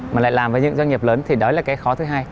mà lại làm với những doanh nghiệp lớn thì đó là cái khó thứ hai